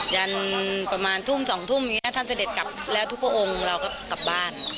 ยันประมาณทุ่ม๒ทุ่มอย่างนี้ท่านเสด็จกลับแล้วทุกพระองค์เราก็กลับบ้าน